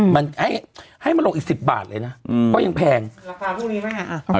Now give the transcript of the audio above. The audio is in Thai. มันให้ให้มันลงอีกสิบบาทเลยนะก็ยังแพงราคาพรุ่งนี้ป่ะ